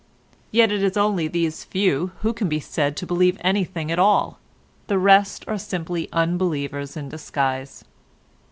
Yet it is only these few who can be said to believe anything at all; the rest are simply unbelievers in disguise.